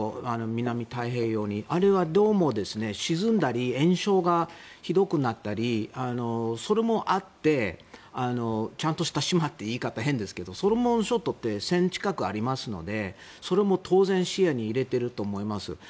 南太平洋に、あれはどうも沈んだりえんしょうがひどくなったりそれもあってちゃんとした島という言い方変ですけどソロモン諸島って１０００近くありますから当然、それも視野に入れてると思います。